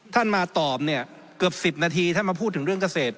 ท่านมาตอบเนี่ยเกือบ๑๐นาทีท่านมาพูดถึงเรื่องเกษตร